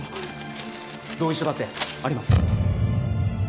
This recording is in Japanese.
同意書だってあります。